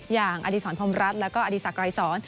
อย่างอดีสรพรรมรัฐและอดีศกรายสร